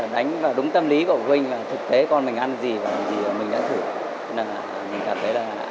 đánh vào đúng tâm lý của phụ huynh là thực tế con mình ăn gì và làm gì mình đã thử